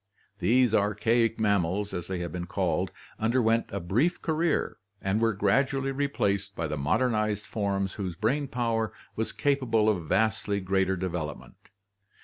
These archaic mammals, as they have been called, underwent a brief career and were gradually replaced by the modernized forms whose brain power was capable of vastly GEOLOGICAL DISTRIBUTION 95 greater development.